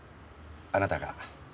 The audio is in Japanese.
あなたが。